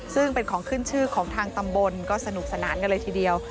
ซึ่งเป็นของขึ้นชื่อของทางตำบลก็สนุกสนานกันเลยทีเดียว